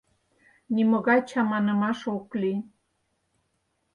Нимогай чаманымаш ок лий!